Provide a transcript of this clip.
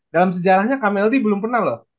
dalam sejarahnya kamel d belum pernah loh